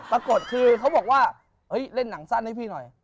ปรากฏคือเขาบอกว่าเฮ้ยเล่นหนังสั้นให้พี่หน่อย